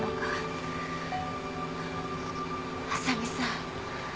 浅見さん。